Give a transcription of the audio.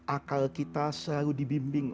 akal kita selalu dibimbing